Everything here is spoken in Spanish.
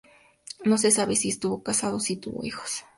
No se sabe si estuvo casado o si tuvo hijos.